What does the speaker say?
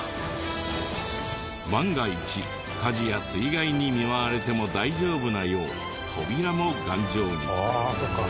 万が一火事や水害に見舞われても大丈夫なよう扉も頑丈に。